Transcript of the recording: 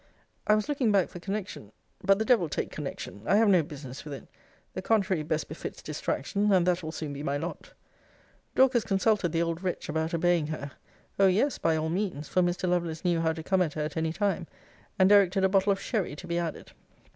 I was looking back for connection but the devil take connection; I have no business with it: the contrary best befits distraction, and that will soon be my lot! 'Dorcas consulted the old wretch about obeying her: O yes, by all means; for Mr. Lovelace knew how to come at her at any time: and directed a bottle of sherry to be added.